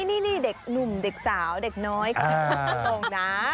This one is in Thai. นี่เด็กหนุ่มเด็กสาวเด็กน้อยลงน้ำ